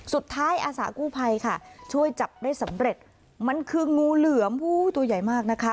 อาสากู้ภัยค่ะช่วยจับได้สำเร็จมันคืองูเหลือมตัวใหญ่มากนะคะ